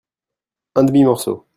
un demi morceau.